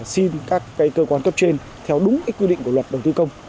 xin các cái cơ quan top trên theo đúng cái quy định của luật đầu tư công